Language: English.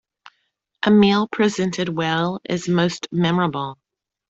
A meal presented well is most memorable.